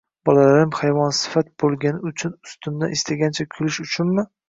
Bolalarim hayvonsifat bo`lgani uchun ustimdan istagancha kulish uchunmi